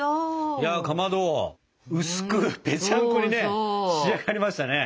いやかまど薄くぺちゃんこにね仕上がりましたね。